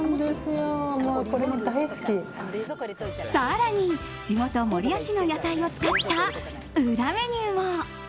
更に、地元・守谷市の野菜を使った裏メニューも。